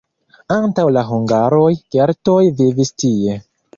Antaŭ la hungaroj keltoj vivis tie.